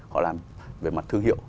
họ làm về mặt thương hiệu